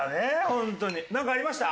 ホントに。なんかありました？